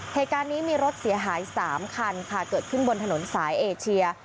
เหตุการณ์นี้มีรถเสียหาย๓คันค่ะเกิดขึ้นบนถนนสายเอเชีย